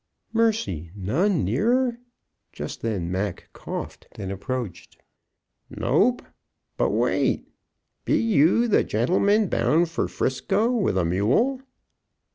"Mercy! None nearer?" Just then Mac coughed, and approached. "Nope. But wait! Be you the gentleman bound fer 'Frisco with a mule?"